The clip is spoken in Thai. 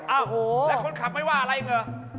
โอ้โหแล้วคนขับไม่ว่าอะไรอีกเหรอ